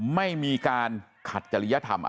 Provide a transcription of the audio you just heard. ไม่มีการขัดจริยธรรม